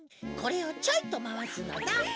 これをちょいとまわすのだ。